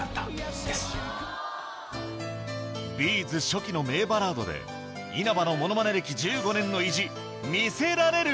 ’ｚ初期の名バラードで稲葉のものまね歴１５年の意地見せられるか？